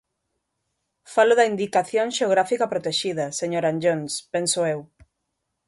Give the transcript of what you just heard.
Falo da indicación xeográfica protexida, señor Anllóns, penso eu.